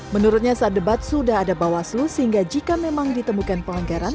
menurutnya saat debat sudah ada bawaslu sehingga jika memang ditemukan pelanggaran